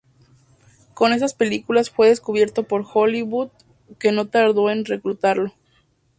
Con estas películas fue descubierto por Hollywood, que no tardó en reclutarlo.